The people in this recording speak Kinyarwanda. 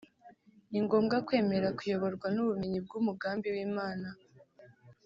ni ngombwa kwemera kuyoborwa n’ubumenyi bw’umugambi w’Imana